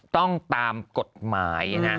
ต้องตามกฎหมายนะ